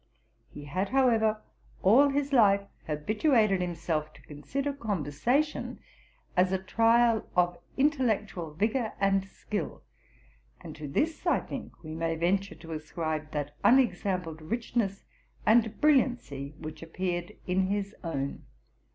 He had, however, all his life habituated himself to consider conversation as a trial of intellectual vigour and skill; and to this, I think, we may venture to ascribe that unexampled richness and brilliancy which appeared in his own.